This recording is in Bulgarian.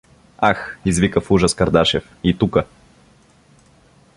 — Ах — извика в ужас Кардашев, — и тука!